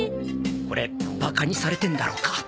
オレバカにされてんだろうか